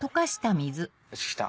よしきた。